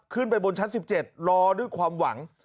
ขึ้นไปบนชั้น๑๗รอด้วยความหวัง